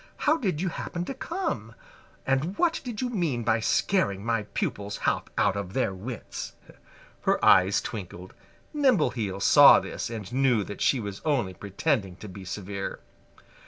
How did you happen to come? And what do you mean by scaring my pupils half out of their wits?" Her eyes twinkled. Nimbleheels saw this and knew that she was only pretending to be severe.